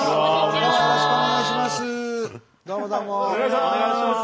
よろしくお願いします。